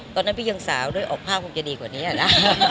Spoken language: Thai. ตอนนั้นพี่ยังสาวด้วยออกภาพคงจะดีกว่านี้นะ